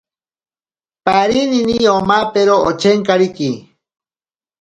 Parinini omapero ochenkariki.